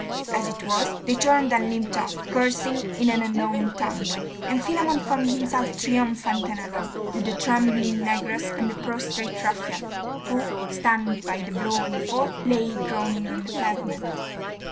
As it was, they turned and limped off, cursing in an unknown tongue; and Philammon found himself triumphant and alone, with the trembling negress and the prostrate ruffian, who, stunned by the blow and the fall, lay groaning on the pavement.